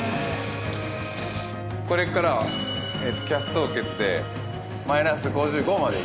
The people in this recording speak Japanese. これからＣＡＳ凍結でマイナス５５まで。